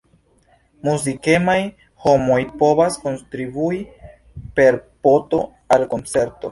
Muzikemaj homoj povas kontribui per po-to al koncerto.